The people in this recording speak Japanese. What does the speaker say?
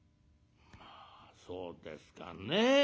「まあそうですかね。